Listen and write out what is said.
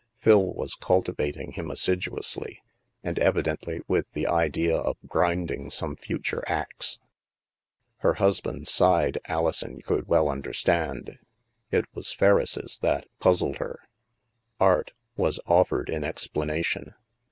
Phil was cultivat ing him assiduously, and evidently with the idea of grinding some future axe. Her husband's side, Alison could well understand. It was Ferriss' that puzzled her. "Art" was offered in explanation.